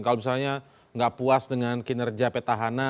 kalau misalnya nggak puas dengan kinerja petahana